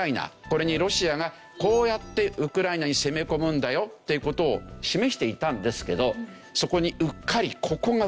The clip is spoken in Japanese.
これにロシアがこうやってウクライナに攻め込むんだよっていう事を示していたんですけどそこにうっかりここが映ってたんですね